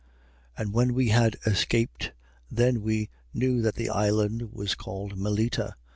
28:1. And when we had escaped, then we knew that the island was called Melita.